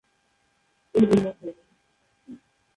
এগুলো হল